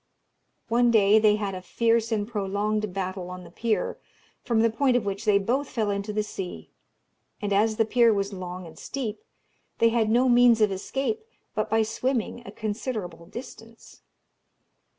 One day they had a fierce and prolonged battle on the pier, from the point of which they both fell into the sea; and as the pier was long and steep, they had no means of escape but by swimming a considerable distance.